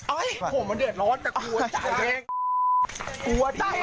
โอ้โหมันเดือนร้อนแต่กลัวจ้ะ